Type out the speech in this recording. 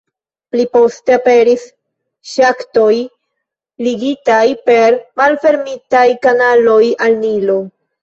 Pli poste aperis ŝaktoj, ligitaj per malfermitaj kanaloj al Nilo.